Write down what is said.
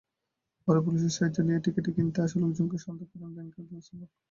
পরে পুলিশের সাহায্য নিয়ে টিকিট কিনতে আসা লোকজনকে শান্ত করেন ব্যাংকের ব্যবস্থাপক।